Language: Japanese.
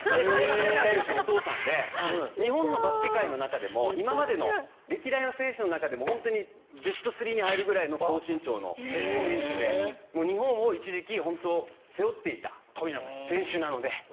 富永選手のお父さんで日本のバスケ界の中でも今までの歴代の選手の中でも本当にベスト３に入るぐらいの高身長の選手で日本を一時期背負っていた選手なので。